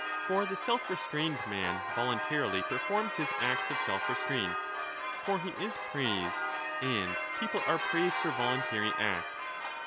For the self restrained man voluntarily performs his acts of self restraint. For he is praised, and people are praised for voluntary acts.